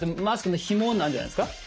マスクのひもなんじゃないですか？